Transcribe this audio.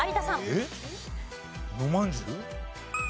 えっ？のまんじゅう？